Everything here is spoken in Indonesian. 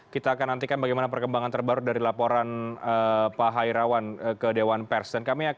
kita akan nantikan bagaimana perkembangan terbaru dari laporan pak hairawan ke dewan pers